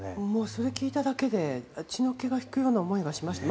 それ聞いただけで血の気が引くような思いがしました。